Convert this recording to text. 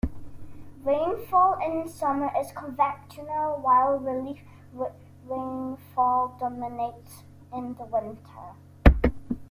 Rainfall in summer is convectional, while relief rainfall dominates in the winter.